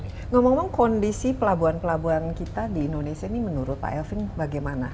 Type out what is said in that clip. ngomong ngomong kondisi pelabuhan pelabuhan kita di indonesia ini menurut pak elvin bagaimana